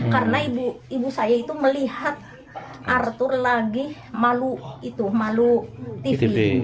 karena ibu saya itu melihat arthur lagi malu tv